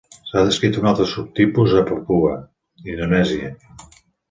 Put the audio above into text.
S'ha descrit un altre subtipus a Papua, Indonèsia.